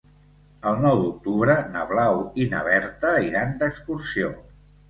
El nou d'octubre na Blau i na Berta iran d'excursió.